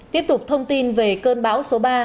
tiếp tục thông tin về cơn bão số ba